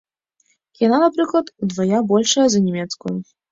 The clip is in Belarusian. Яна, напрыклад, удвая большая за нямецкую.